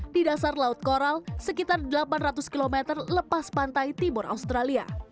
di dasar laut koral sekitar delapan ratus km lepas pantai timur australia